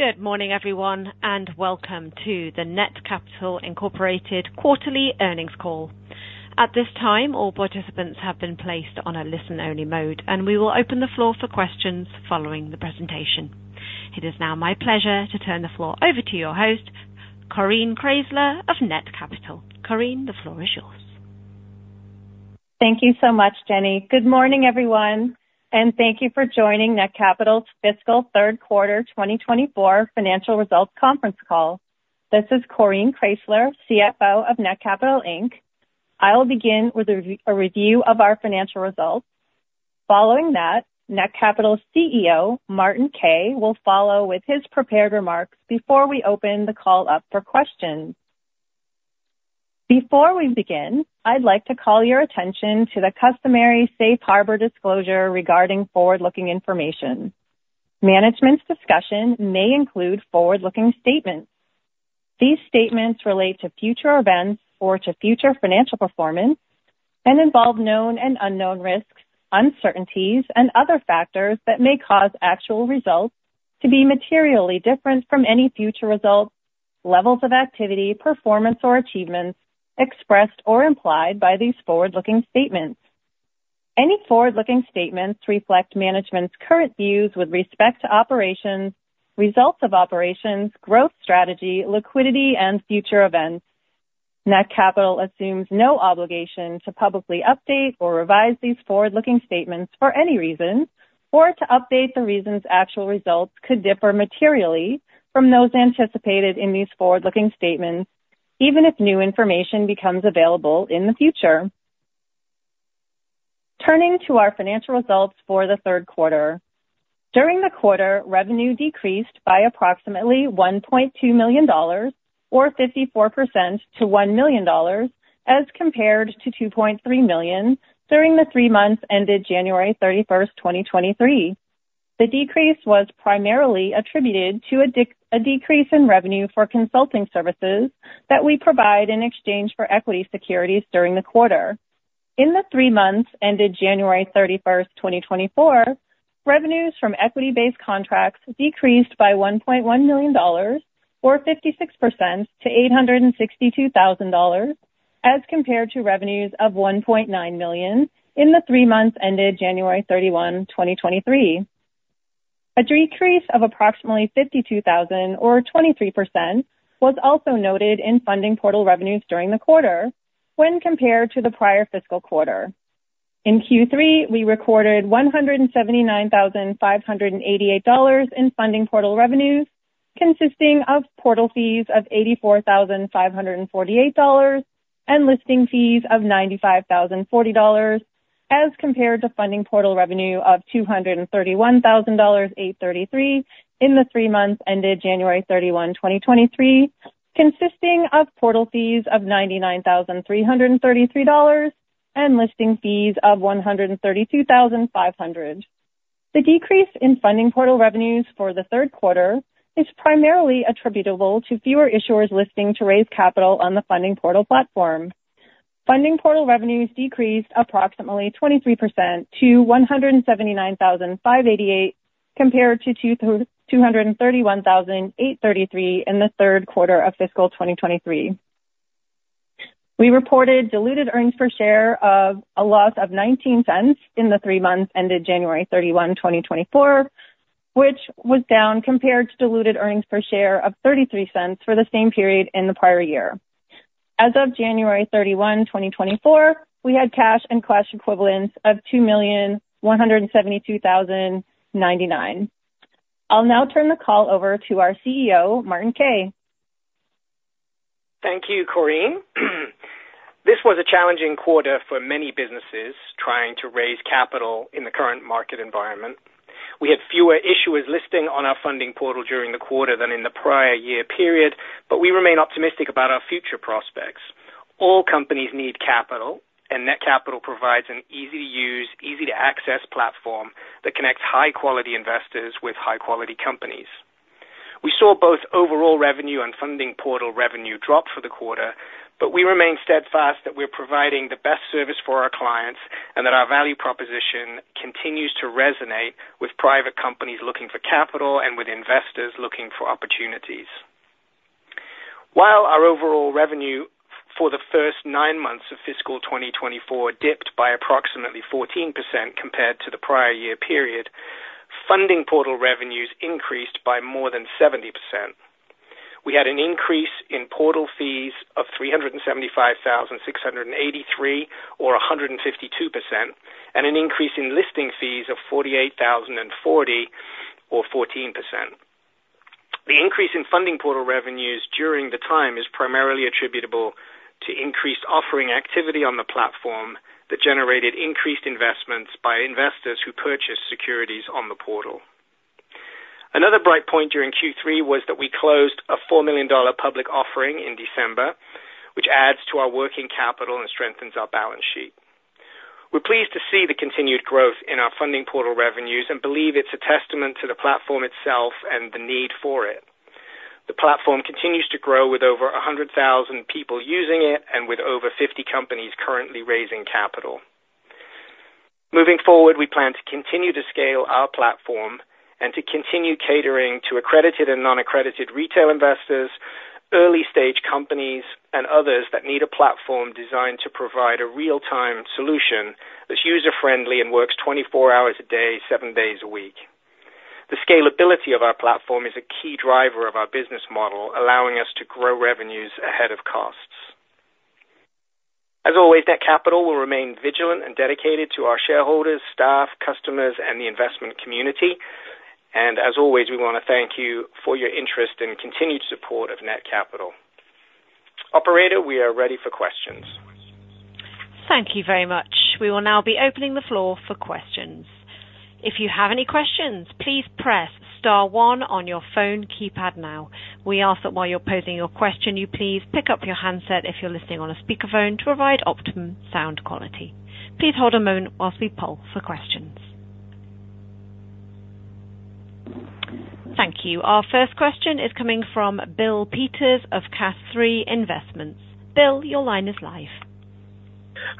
Good morning, everyone, and welcome to the Netcapital Incorporated quarterly earnings call. At this time, all participants have been placed on a listen-only mode, and we will open the floor for questions following the presentation. It is now my pleasure to turn the floor over to your host, Coreen Kraysler of Netcapital. Coreen, the floor is yours. Thank you so much, Jenny. Good morning, everyone, and thank you for joining Netcapital's fiscal Q3 2024 financial results conference call. This is Coreen Kraysler, CFO of Netcapital, Inc. I'll begin with a review of our financial results. Following that, Netcapital's CEO, Martin Kay, will follow with his prepared remarks before we open the call up for questions. Before we begin, I'd like to call your attention to the customary safe harbor disclosure regarding forward-looking information. Management's discussion may include forward-looking statements. These statements relate to future events or to future financial performance and involve known and unknown risks, uncertainties, and other factors that may cause actual results to be materially different from any future results, levels of activity, performance, or achievements expressed or implied by these forward-looking statements. Any forward-looking statements reflect management's current views with respect to operations, results of operations, growth strategy, liquidity, and future events. Netcapital assumes no obligation to publicly update or revise these forward-looking statements for any reason or to update the reasons actual results could differ materially from those anticipated in these forward-looking statements, even if new information becomes available in the future. Turning to our financial results for the Q3. During the quarter, revenue decreased by approximately $1.2 million or 54% to $1 million as compared to $2.3 million during the three months ended January 31st, 2023. The decrease was primarily attributed to a decrease in revenue for consulting services that we provide in exchange for equity securities during the quarter. In the three months ended January 31st, 2024, revenues from equity-based contracts decreased by $1.1 million or 56% to $862,000 as compared to revenues of $1.9 million in the three months ended January 31st, 2023. A decrease of approximately $52,000 or 23% was also noted in funding portal revenues during the quarter when compared to the prior fiscal quarter. In Q3, we recorded $179,588 in funding portal revenues consisting of portal fees of $84,548 and listing fees of $95,040 as compared to funding portal revenue of $231,833 in the three months ended January 31st, 2023, consisting of portal fees of $99,333 and listing fees of $132,500. The decrease in funding portal revenues for the third quarter is primarily attributable to fewer issuers listing to raise capital on the funding portal platform. Funding portal revenues decreased approximately 23% to $179,588 compared to $231,833 in the Q3 of fiscal 2023. We reported diluted earnings per share of a loss of $0.19 in the three months ended January 31st, 2024, which was down compared to diluted earnings per share of $0.33 for the same period in the prior year. As of January 31st, 2024, we had cash and cash equivalents of $2,172,099. I'll now turn the call over to our CEO, Martin Kay. Thank you, Corinne. This was a challenging quarter for many businesses trying to raise capital in the current market environment. We had fewer issuers listing on our funding portal during the quarter than in the prior year period, but we remain optimistic about our future prospects. All companies need capital, and Netcapital provides an easy-to-use, easy-to-access platform that connects high-quality investors with high-quality companies. We saw both overall revenue and funding portal revenue drop for the quarter, but we remain steadfast that we're providing the best service for our clients and that our value proposition continues to resonate with private companies looking for capital and with investors looking for opportunities. While our overall revenue for the first nine months of fiscal 2024 dipped by approximately 14% compared to the prior year period, funding portal revenues increased by more than 70%. We had an increase in portal fees of $375,683 or 152% and an increase in listing fees of $48,040 or 14%. The increase in funding portal revenues during the time is primarily attributable to increased offering activity on the platform that generated increased investments by investors who purchased securities on the portal. Another bright point during Q3 was that we closed a $4 million public offering in December, which adds to our working capital and strengthens our balance sheet. We're pleased to see the continued growth in our funding portal revenues and believe it's a testament to the platform itself and the need for it. The platform continues to grow with over 100,000 people using it and with over 50 companies currently raising capital. Moving forward, we plan to continue to scale our platform and to continue catering to accredited and non-accredited retail investors, early-stage companies, and others that need a platform designed to provide a real-time solution that's user-friendly and works 24 hours a day, seven days a week. The scalability of our platform is a key driver of our business model, allowing us to grow revenues ahead of costs. As always, Netcapital will remain vigilant and dedicated to our shareholders, staff, customers, and the investment community. And as always, we want to thank you for your interest and continued support of Netcapital. Operator, we are ready for questions. Thank you very much. We will now be opening the floor for questions. If you have any questions, please press star one on your phone keypad now. We ask that while you're posing your question, you please pick up your handset if you're listening on a speakerphone to provide optimum sound quality. Please hold a moment while we pull for questions. Thank you. Our first question is coming from Bill Peters of CAS3 Investments. Bill, your line is live.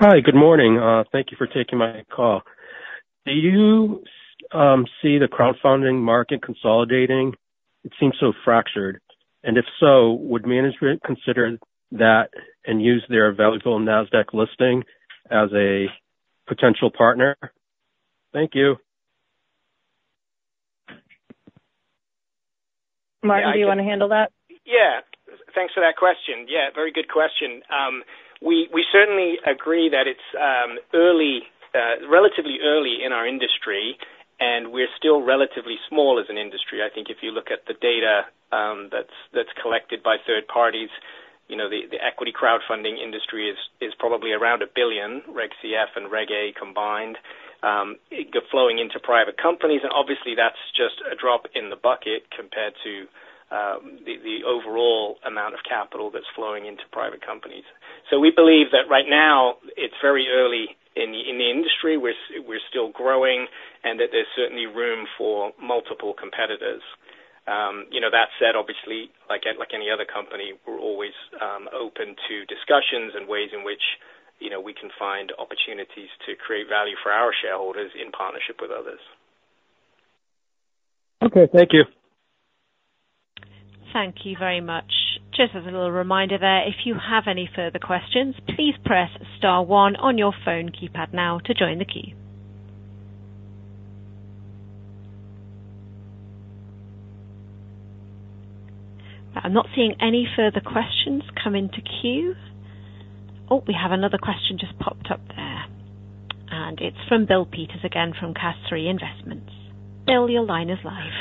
Hi. Good morning. Thank you for taking my call. Do you see the crowdfunding market consolidating? It seems so fractured. And if so, would management consider that and use their valuable Nasdaq listing as a potential partner? Thank you. Martin, do you want to handle that? Yeah. Thanks for that question. Yeah, very good question. We certainly agree that it's relatively early in our industry, and we're still relatively small as an industry. I think if you look at the data that's collected by third parties, the equity crowdfunding industry is probably around $1 billion, Reg CF and Reg A combined, flowing into private companies. And obviously, that's just a drop in the bucket compared to the overall amount of capital that's flowing into private companies. So we believe that right now, it's very early in the industry. We're still growing and that there's certainly room for multiple competitors. That said, obviously, like any other company, we're always open to discussions and ways in which we can find opportunities to create value for our shareholders in partnership with others. Okay. Thank you. Thank you very much. Just as a little reminder there, if you have any further questions, please press star one on your phone keypad now to join the queue. I'm not seeing any further questions come into queue. Oh, we have another question just popped up there. It's from Bill Peters again from CAS3 Investments. Bill, your line is live.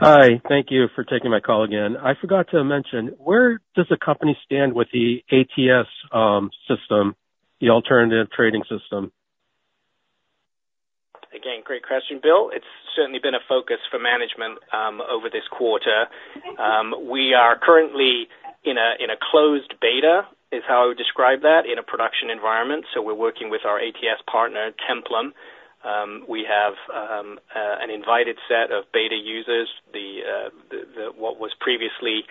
Hi. Thank you for taking my call again. I forgot to mention, where does the company stand with the ATS system, the Alternative Trading System? Again, great question, Bill. It's certainly been a focus for management over this quarter. We are currently in a closed beta, is how I would describe that, in a production environment. So we're working with our ATS partner, Templum. We have an invited set of beta users. What was previously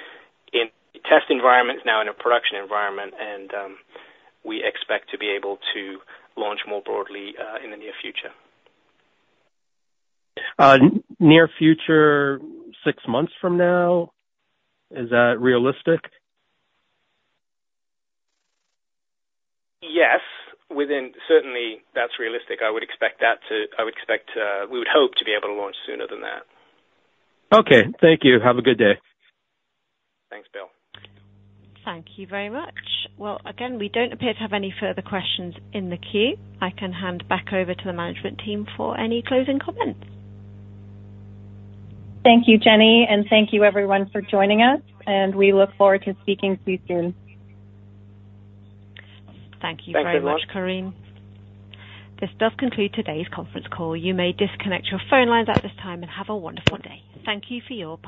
in test environment is now in a production environment, and we expect to be able to launch more broadly in the near future. Near future, six months from now, is that realistic? Yes. Certainly, that's realistic. I would expect that we would hope to be able to launch sooner than that. Okay. Thank you. Have a good day. Thanks, Bill. Thank you very much. Well, again, we don't appear to have any further questions in the queue. I can hand back over to the management team for any closing comments. Thank you, Jenny, and thank you, everyone, for joining us. We look forward to speaking to you soon. Thank you very much, Corinne. This does conclude today's conference call. You may disconnect your phone lines at this time and have a wonderful day. Thank you for your.